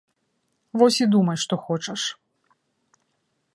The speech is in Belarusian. Вось і думай што хочаш.